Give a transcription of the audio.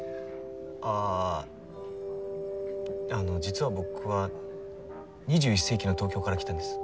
ああの実は僕は２１世紀の東京から来たんです。